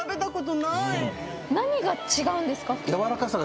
何が違うんですか？